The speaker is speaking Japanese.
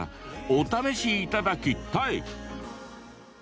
お試しいただきタイ！